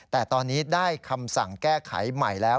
แต่ตอนนี้ได้คำสั่งแก้ไขใหม่แล้ว